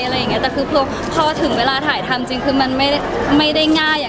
อันนี้ก็พอบอกว่าไม่ใช่น้ำลายเวลนะคะ